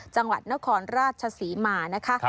จังหวัดนครราชศรีมานะคะ